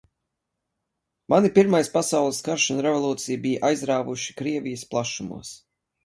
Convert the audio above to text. Mani pirmais pasaules karš un revolūcija bija aizrāvuši Krievijas plašumos.